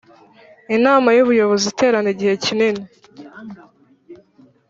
Inama y ubuyobozi iterana igihe kinini